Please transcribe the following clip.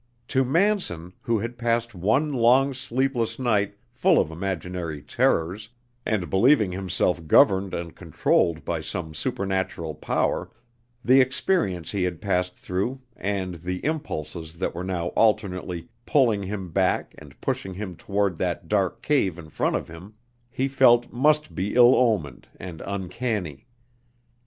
To Manson, who had passed one long, sleepless night full of imaginary terrors, and believing himself governed and controlled by some supernatural power, the experience he had passed through, and the impulses that were now alternately pulling him back and pushing him toward that dark cave in front of him, he felt must be ill omened and uncanny.